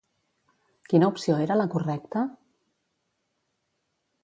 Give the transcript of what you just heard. Quina opció era la correcta?